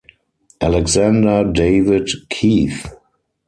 Alexander David Keith.